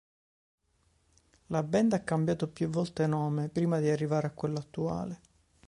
La band ha cambiato più volte nome prima di arrivare a quello attuale.